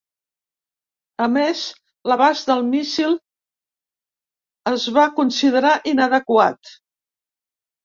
A més, l'abast del míssil es va considerar inadequat.